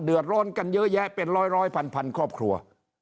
เดือดโรนกันเยอะแยะเป็นร้อยร้อยพันพันครอบครัว